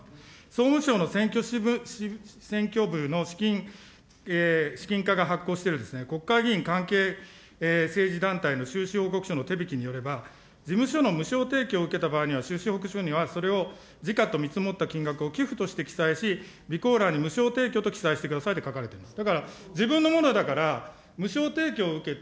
総務省の選挙部の資金課が発行している、国会議員関係政治団体の収支報告書の手引によれば、事務所の無償提供を受けた場合には収支報告書にはそれを時価と見積もった金額を寄付として記載し、備考欄に無償提供と記載してくださいと書かれています。